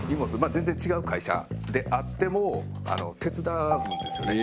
全然違う会社であっても手伝うんですよね。